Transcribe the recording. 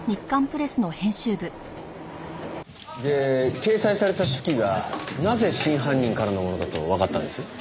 で掲載された手記がなぜ真犯人からのものだとわかったんです？